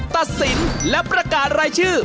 ตัดสินและประกาศรายชื่อ